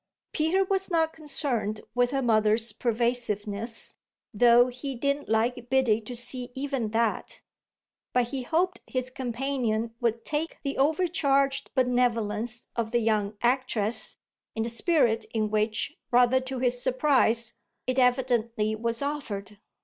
Peter was not concerned with her mother's pervasiveness, though he didn't like Biddy to see even that; but he hoped his companion would take the overcharged benevolence of the young actress in the spirit in which, rather to his surprise, it evidently was offered.